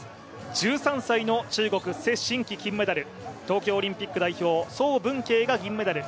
１３歳の中国崔宸曦金メダル東京オリンピック代表曾文ケイが銀メダル。